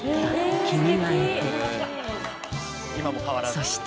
そして。